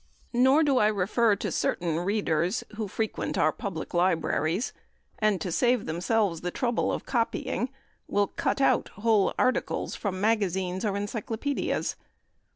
Nor do I refer to certain readers who frequent our public libraries, and, to save themselves the trouble of copying, will cut out whole articles from magazines or encyclopaedias.